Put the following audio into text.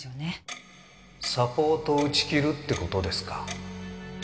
サポートを打ち切るって事ですか？